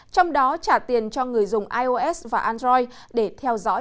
trong đó trả tiền cho người dùng ios và android để theo dõi